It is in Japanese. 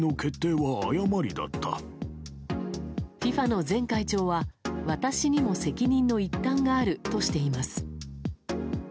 ＦＩＦＡの前会長は私にも責任の一端があるとしています。